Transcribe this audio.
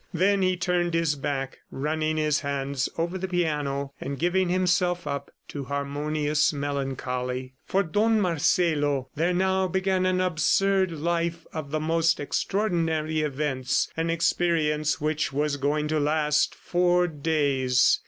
Then he turned his back, running his hands over the piano, and giving himself up to harmonious melancholy. For Don Marcelo there now began an absurd life of the most extraordinary events, an experience which was going to last four days.